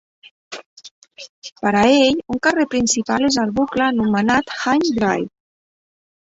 Per a ell, un carrer principal és un bucle anomenat Hind Drive.